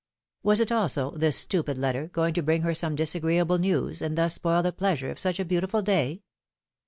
Was it also, this stupid letter, going to bring her some disagreeable news, and thus spoil the pleasure of such a beautiful day?